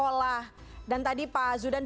oke tapi kan ini sebentar lagi